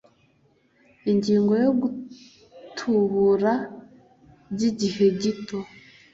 ingingo yo gutubura by igihe gito